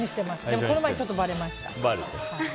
でも、この前ちょっとばれました。